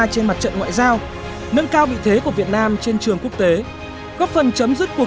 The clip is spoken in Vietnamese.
trong việc ngoại giao nâng cao vị thế của việt nam trên trường quốc tế góp phần chấm dứt cuộc